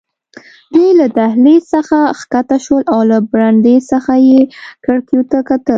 دوی له دهلېز څخه کښته شول او له برنډې څخه یې کړکیو ته کتل.